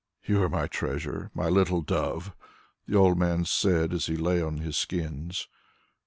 "You are my treasure, my little dove," the old man said as he lay on his skins.